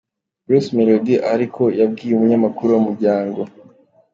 Bruce Melodie ariko yabwiye umunyamakuru wa Umuryango.